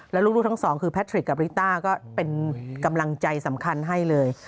แล้วลูกทั้งสองคือแพทริกกับริต้าก็เป็นกำลังใจสำคัญให้เลย